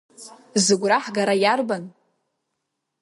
Зыгәра ҳгара иарбан?